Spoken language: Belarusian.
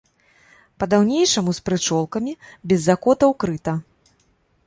Па-даўнейшаму з прычолкамі, без закотаў крыта.